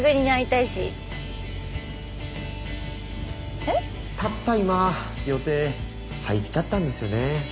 たった今予定入っちゃったんですよね。